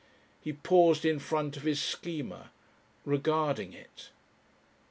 He paused in front of his Schema, regarding it.